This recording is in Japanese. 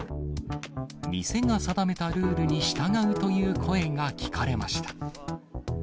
店が定めたルールに従うという声が聞かれました。